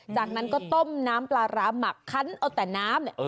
จากนั้นก็ต้มน้ำปลาร้าหมักคันเอาแต่น้ำ